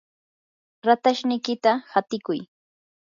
ratashniykita hatiykuy.